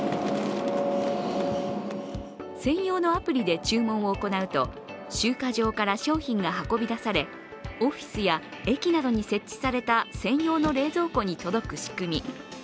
専用のアプリで注文を行うと、集荷場から商品が運び出されオフィスや駅などに設置された専用の冷蔵庫に届く仕組み。